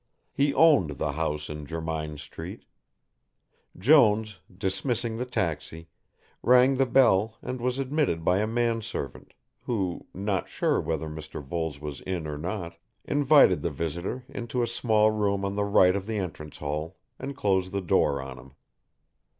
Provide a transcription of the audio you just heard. He owned the house in Jermyn Street. Jones, dismissing the taxi, rang the bell and was admitted by a man servant, who, not sure whether Mr. Voles was in or not, invited the visitor into a small room on the right of the entrance hall and closed the door on him.